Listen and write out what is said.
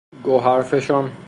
گوهرفشان